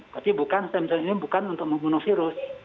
tapi stem cell ini bukan untuk membunuh virus